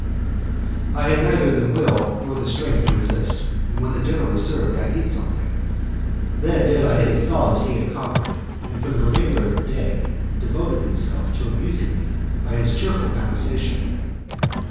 I had neither the will nor the strength to resist, and when the dinner was served, I ate something. Then De la Have saw that he had conquered, and for the remainder of the day devoted himself to amusing me by his cheerful conversation.